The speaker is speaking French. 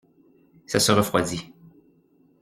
Ça se refroidit.